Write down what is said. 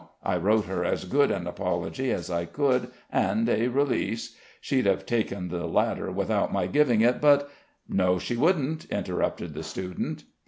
I wrote her as good an apology as I could, and a release; she'd have taken the latter without my giving it, but " "No she wouldn't," interrupted the student.